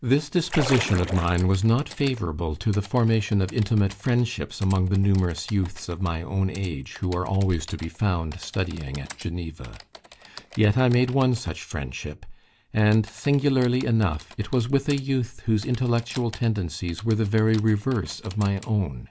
This disposition of mine was not favourable to the formation of intimate friendships among the numerous youths of my own age who are always to be found studying at Geneva. Yet I made one such friendship; and, singularly enough, it was with a youth whose intellectual tendencies were the very reverse of my own.